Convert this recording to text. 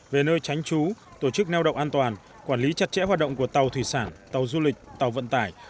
về nơi tránh trú tổ chức neo động an toàn quản lý chặt chẽ hoạt động của tàu thủy sản tàu du lịch tàu vận tải